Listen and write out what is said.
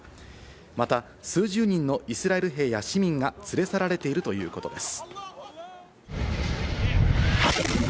また、数十人のイスラエル兵や市民が連れ去られているということです。